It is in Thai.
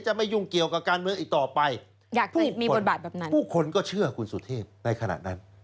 จะไม่ยุ่งเกี่ยวกับการเมืองอีกต่อไปผู้คนก็เชื่อคุณสุเทพในขณะนั้น